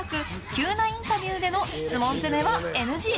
急なインタビューでの質問攻めはＮＧ。